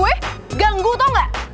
wih ganggu tau nggak